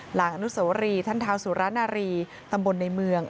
หลังอนุสวรีท่านเท้าสุรนารีตำบลในเมือง